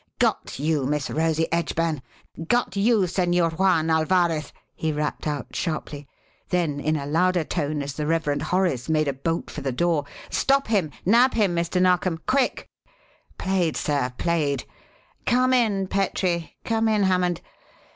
"Got you, Miss Rosie Edgburn! Got you, Señor Juan Alvarez!" he rapped out sharply; then in a louder tone, as the Reverend Horace made a bolt for the door: "Stop him, nab him, Mr. Narkom! Quick! Played sir, played. Come in, Petrie; come in, Hammond.